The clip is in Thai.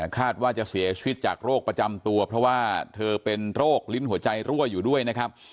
คาดว่าจะเสียชีวิตจากโรคประจำตัวเพราะว่าเธอเป็นโรคลิ้นหัวใจรั่วอยู่ด้วยนะครับ